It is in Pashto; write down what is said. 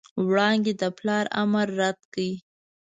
وړانګې د پلار امر رد کړ.